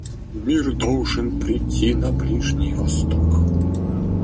Мир должен придти на Ближний Восток.